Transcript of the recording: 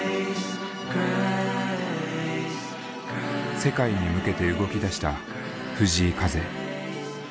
世界に向けて動きだした藤井風。